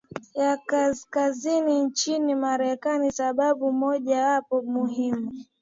ya kaskazini nchini Marekani Sababu mojawapo muhimu